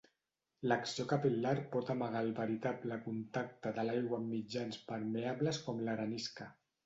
L'acció capil·lar pot amagar el veritable contacte de l'aigua en mitjans permeables com l'arenisca.